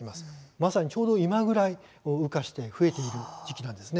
まさにちょうど今ぐらい羽化して増えている時期なんです。